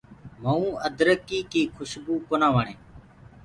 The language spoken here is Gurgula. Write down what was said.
مئُونٚ ادرڪيٚ ڪيٚ کشبُو ڪونآ وڻي۔